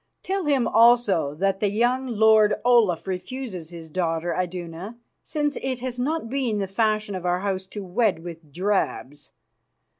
Tell him also that the young lord Olaf refuses his daughter, Iduna, since it has not been the fashion of our House to wed with drabs.